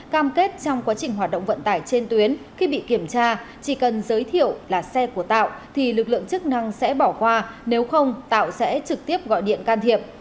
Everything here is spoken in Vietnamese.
cam kết trong quá trình hoạt động vận tải trên tuyến khi bị kiểm tra chỉ cần giới thiệu là xe của tạo thì lực lượng chức năng sẽ bỏ qua nếu không tạo sẽ trực tiếp gọi điện can thiệp